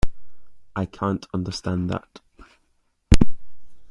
I can't understand that